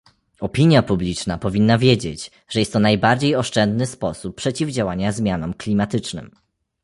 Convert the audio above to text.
Opinia publiczna powinna wiedzieć, że jest to najbardziej oszczędny sposób przeciwdziałania zmianom klimatycznym